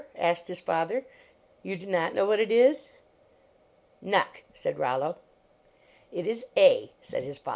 asked his father, "You do nut know what it is? " "Nuck," said Rollo. " It is A," said his father.